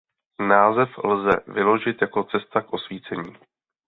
Název lze vyložit jako "cesta k osvícení".